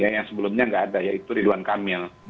yang sebelumnya nggak ada yaitu ridwan kamil